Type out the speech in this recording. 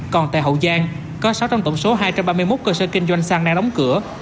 còn tại hậu giang có sáu trong tổng số hai trăm ba mươi một cơ sở kinh doanh xăng đang đóng cửa